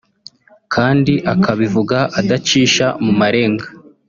kandi akabivuga adacisha mu marenga